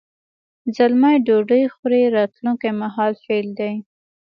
زلمی ډوډۍ وخوري راتلونکي مهال فعل دی.